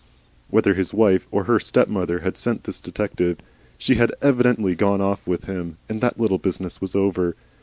Whether his wife or HER stepmother had sent the detective, SHE had evidently gone off with him, and that little business was over.